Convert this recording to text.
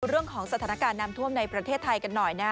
เรื่องของสถานการณ์น้ำท่วมในประเทศไทยกันหน่อยนะ